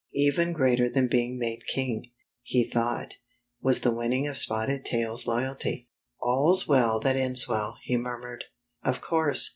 Even greater than being made king, he thought, was the winning of Spotted Tail's loyalty. "All's well that ends well," he murmured. Of course.